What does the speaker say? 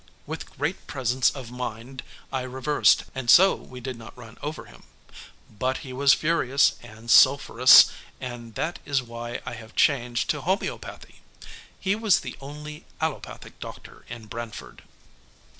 With great presence of mind I reversed, and so we did not run over him. But he was furious and sulphurous, and that is why I have changed to homeopathy. He was the only allopathic doctor in Brantford.